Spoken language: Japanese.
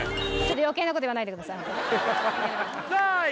余計なこと言わないでくださいさあい